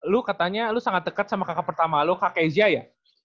lo katanya lo sangat deket sama kakak pertama lo kak kezia ya